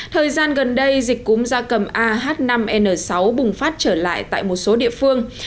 thời gian gần đây dịch cúm da cầm ah năm n sáu bùng phát trở lại tại một số địa phương